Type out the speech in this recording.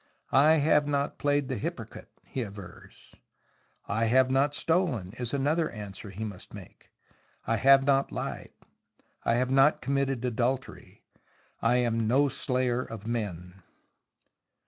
" I have not played the hypocrite," he avers. " I have not stolen," is another answer he must make. " I have not lied. I have not committed adultery. I am no slayer of men."